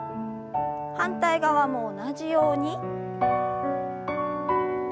反対側も同じように。